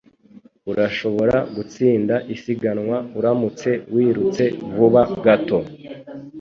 Urashobora gutsinda isiganwa uramutse wirutse vuba gato